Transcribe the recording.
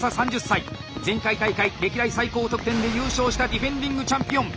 前回大会歴代最高得点で優勝したディフェンディングチャンピオン。